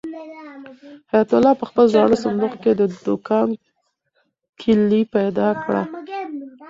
حیات الله په خپل زاړه صندوق کې د دوکان کلۍ پیدا کړه.